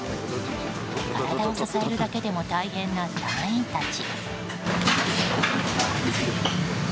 体を支えるだけでも大変な隊員たち。